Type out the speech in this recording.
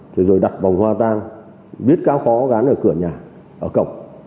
thế rồi đặt vòng hoa tan viết cao khó gắn ở cửa nhà ở cổng